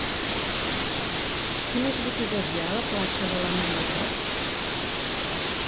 Quines botigues hi ha a la plaça de la Mina Grott?